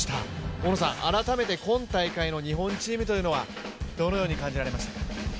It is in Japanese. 大野さん、改めて今大会の日本チームというのはどのように感じられましたか？